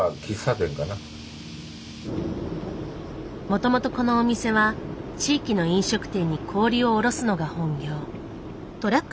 もともとこのお店は地域の飲食店に氷を卸すのが本業。